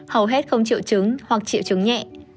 hầu hết không chịu trứng hoặc chịu trứng nhẹ